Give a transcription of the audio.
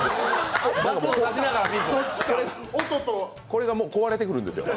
これがもう壊れてくるんですよ。